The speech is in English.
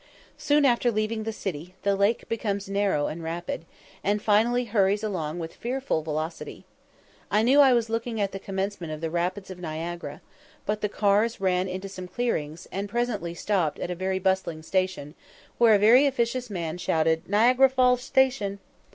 Soon after leaving the city, the lake becomes narrow and rapid, and finally hurries along with fearful velocity. I knew that I was looking at the commencement of the rapids of Niagara, but the cars ran into some clearings, and presently stopped at a very bustling station, where a very officious man shouted, "Niagara Falls Station!"